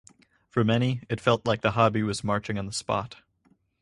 For many it felt like the hobby was marching on the spot.